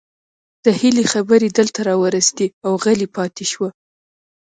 د هيلې خبرې دلته راورسيدې او غلې پاتې شوه